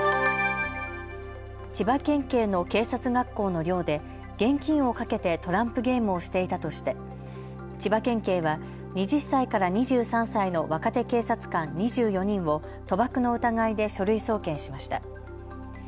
千葉県警の警察学校の寮で現金を賭けてトランプゲームをしていたとして千葉県警は２０歳から２３歳の若手警察官２４人を賭博の疑いで書類送検しました。